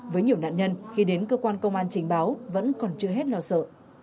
với nhiều nạn nhân khi đến cơ quan công an trình báo vẫn còn chưa hết lo sợ